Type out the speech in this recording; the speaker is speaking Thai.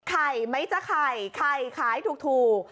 ไข่ไหมจ๊ะไข่ไข่ไข่ถูก